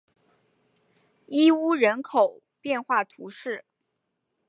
伊乌人口变化图示